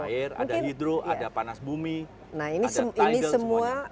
ada hidro ada panas bumi ada tidal semuanya